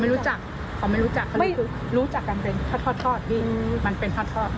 ไม่รู้จักให้บอกว่าเขาไม่รู้จักรู้จักกันเป็นครอดครอด